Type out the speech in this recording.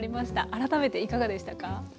改めていかがでしたか。